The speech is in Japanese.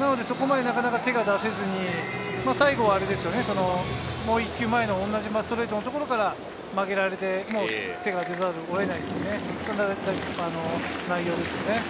なので、そこまでなかなか手が出せずに、最後は、もう一球前の同じストレートのところから曲げられて、手が出ざるを得ないというね、そんな内容ですよね。